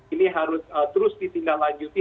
ini harus terus ditinggal lanjuti